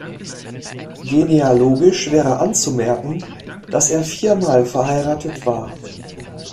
Genealogisch wäre anzumerken, dass er vier Mal verheiratet war.